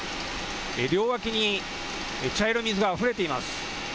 両脇に茶色い水があふれています。